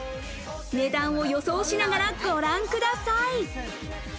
値段を予想しながらご覧ください。